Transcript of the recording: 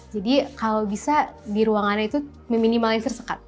jadi kalau bisa di ruangannya itu minimal yang tersekat